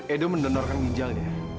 edo mendonorkan ginjalnya